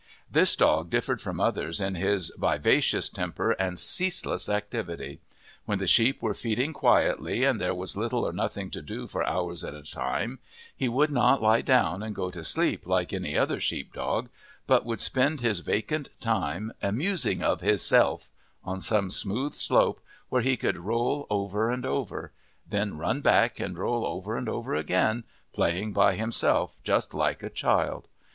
This dog differed from others in his vivacious temper and ceaseless activity. When the sheep were feeding quietly and there was little or nothing to do for hours at a time, he would not lie down and go to sleep like any other sheep dog, but would spend his vacant time "amusing of hisself" on some smooth slope where he could roll over and over; then run back and roll over again and again, playing by himself just like a child.